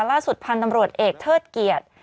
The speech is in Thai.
ล่าสุดพันธุ์ตำรวจเอกเทิดเกียรติ